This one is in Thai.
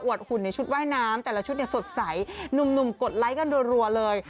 หุ่นในชุดว่ายน้ำแต่ละชุดเนี่ยสดใสหนุ่มกดไลค์กันรัวเลย